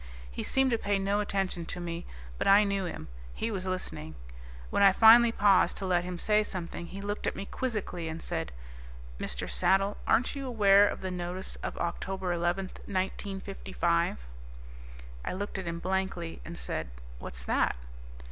He seemed to pay no attention to me, but I knew him; he was listening. When I finally paused to let him say something, he looked at me quizzically and said, "Mr. Saddle, aren't you aware of the Notice of October 11, 1955?" I looked at him blankly and said, "What's that?"